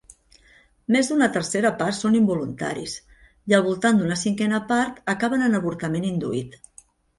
Més d'una tercera part són involuntaris i al voltant d'una cinquena part acaben en avortament induït.